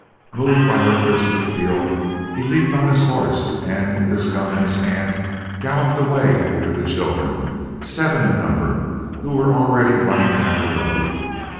Moved by her urgent appeal, he leaped on his horse and, with his gun in his hand, galloped away after the children, seven in number, who were already running down the road.